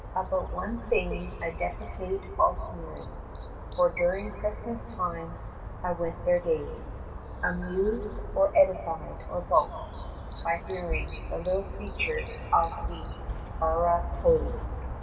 40 About one fane I deprecate all sneering, For during Christmas time I went there daily, Amused, or edified, or both, by hearing The little preachers of the Ara Coeli.